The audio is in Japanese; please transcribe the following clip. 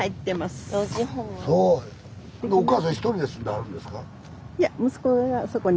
おかあさん一人で住んではるんですか？